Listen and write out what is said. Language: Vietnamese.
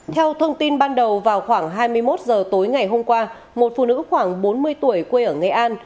theo thông tin ban đầu vào khoảng hai mươi một h tối ngày hôm qua một phụ nữ khoảng bốn mươi tuổi quê ở nghệ an